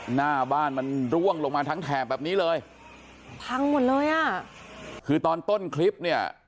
หน้าบ้านมันร่วงลงมาทั้งแถบแบบนี้เลยพังหมดเลยอ่ะคือตอนต้นคลิปเนี่ย